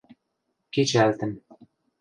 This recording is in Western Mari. Кечӓлтӹн.